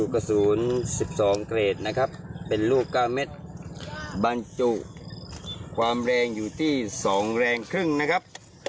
กระสุน๑๒เกรดนะครับเป็นลูก๙เม็ดบรรจุความแรงอยู่ที่๒แรงครึ่งนะครับ